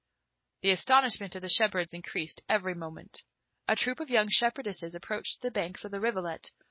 The astonishment of the shepherds increased every moment. A troop of young shepherdesses approached the banks of the rivulet.